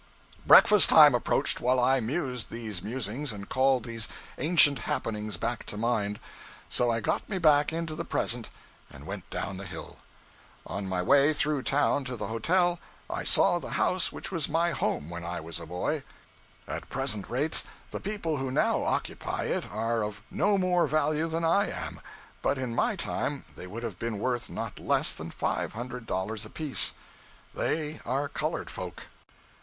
Breakfast time approached while I mused these musings and called these ancient happenings back to mind; so I got me back into the present and went down the hill. On my way through town to the hotel, I saw the house which was my home when I was a boy. At present rates, the people who now occupy it are of no more value than I am; but in my time they would have been worth not less than five hundred dollars apiece. They are colored folk.